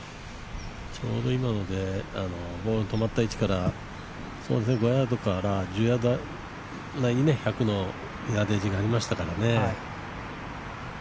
ちょうど今のでボールが止まった位置から５ヤードから１０ヤードぐらいに１００のヤーデージがありましたからね。